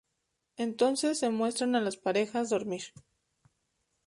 Entonces se muestran a las parejas dormir.